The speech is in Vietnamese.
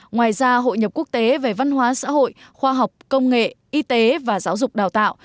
ngoài ra hội nhập quốc tế về văn hóa xã hội khoa học công nghệ y tế và giáo dục đào tạo